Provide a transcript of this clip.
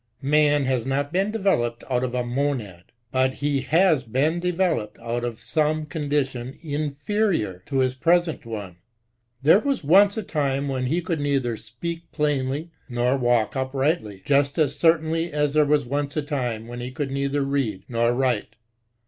Man has not been developed out of a Monad, but he has been developed out of some condition inferior to his present one. There was once a time when he could neither speak plainly, tior walk uprightly, just as certainly as there was once a time when he could neither read nor write.